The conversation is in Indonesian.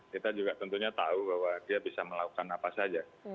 kita juga tentunya tahu bahwa dia bisa melakukan apa saja